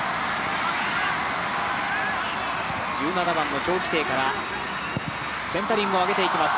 １７番のチョウ・キテイからセンタリングをあげていきます。